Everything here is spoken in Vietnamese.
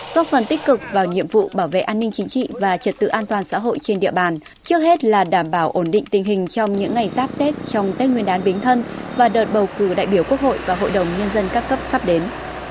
góp phần tích cực vào nhiệm vụ bảo vệ an ninh chính trị và trật tự an toàn xã hội trên địa bàn trước hết là đảm bảo ổn định tình hình trong những ngày giáp tết trong tết nguyên đán bính thân và đợt bầu cử đại biểu quốc hội và hội đồng nhân dân các cấp sắp đến